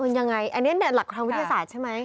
อย่างไรอันนี้หลักทำวิทยาศาสตร์ใช่ไหม